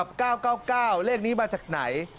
ปลูกมะพร้าน้ำหอมไว้๑๐ต้น